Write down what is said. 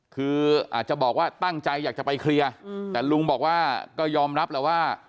คืออาจจะบอกว่าตั้งใจอยากจะไปเคลียร์แต่ลุงบอกว่าก็ยอมรับแล้วว่า